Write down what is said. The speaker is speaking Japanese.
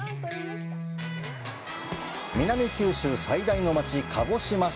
南九州最大の町、鹿児島市。